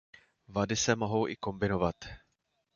Vady se mohou i kombinovat.